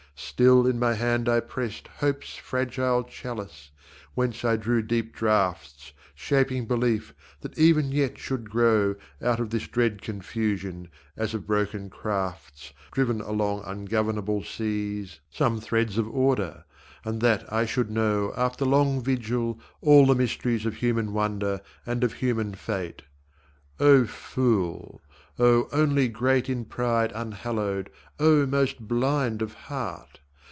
Still in my hand I pressed Hope's fragile chalice, whence I drew deep draughts Shaping belief that even yet should grow Out of this dread confusion, as of broken crafts Driven along ungovernable seas, Some threads of order, and that I should know After long vigil all the mysteries Of human wonder and of human fate. O fool, O only great In pride unhallowed, O most blind of heart!